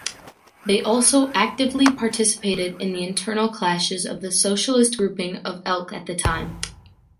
They also actively participated in the internal clashes of the Socialist Grouping of Elche at that time.